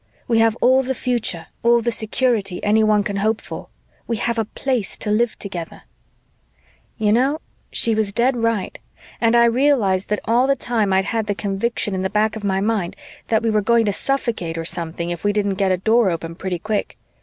We have all the future, all the security, anyone can hope for. We have a Place to live together." You know, she was dead right and I realized that all the time I'd had the conviction in the back of my mind that we were going to suffocate or something if we didn't get a Door open pretty quick.